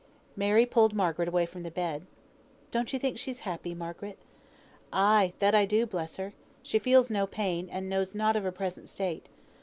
Mary pulled Margaret away from the bed. "Don't you think she's happy, Margaret?" "Ay! that I do, bless her. She feels no pain, and knows nought of her present state.